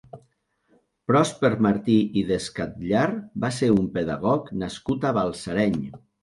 Pròsper Martí i Descatllar va ser un pedagog nascut a Balsareny.